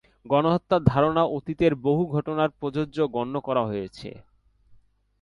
গণহত্যার ধারণা অতীতের বহু ঘটনায় প্রযোজ্য গণ্য করা হয়েছে।